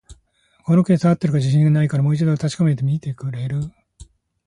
この計算、合ってるか自信ないから、もう一度確かめてみてくれる？